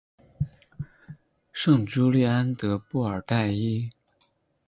圣朱利安德布尔代伊。